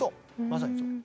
まさにそう。